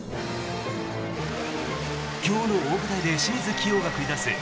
今日の大舞台で清水希容が繰り出す